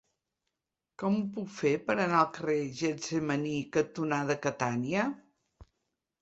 Com ho puc fer per anar al carrer Getsemaní cantonada Catània?